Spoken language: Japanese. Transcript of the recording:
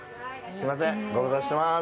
すいません、ご無沙汰してます。